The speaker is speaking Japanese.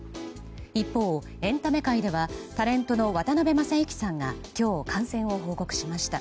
一方、エンタメ界ではタレントの渡辺正行さんが今日感染を報告しました。